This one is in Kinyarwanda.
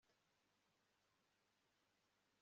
yararakaye yica umuntu amasomo ya bibiliya